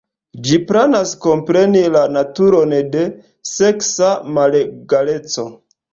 Ĝi planas kompreni la naturon de seksa malegaleco.